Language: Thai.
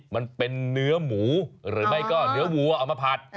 มันเป็นเนื้อหมูหรือไม่ก็เนื้อวัวเอามาผัด